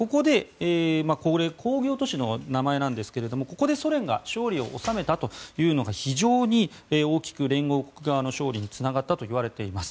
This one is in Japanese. これは工業都市の名前なんですがここでソ連が勝利を収めたというのが非常に大きく連合国側の勝利につながったといわれています。